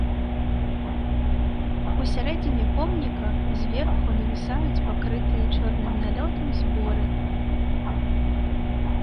Усярэдзіне помніка зверху навісаюць пакрытыя чорным налётам зборы.